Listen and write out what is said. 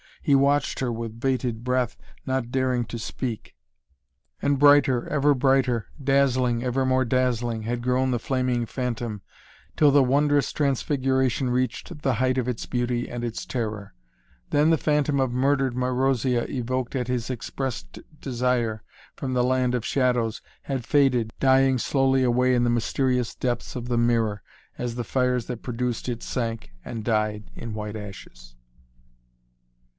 He watched her with bated breath, not daring to speak. And brighter, ever brighter, dazzling, ever more dazzling, had grown the flaming phantom, till the wondrous transfiguration reached the height of its beauty and its terror. Then the phantom of murdered Marozia, evoked at his expressed desire from the land of shadows, had faded, dying slowly away in the mysterious depths of the mirror, as the fires that produced it sank and died in white ashes.